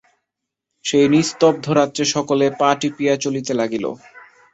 সেই নিস্তব্ধ রাত্রে সকলে পা টিপিয়া চলিতে লাগিল।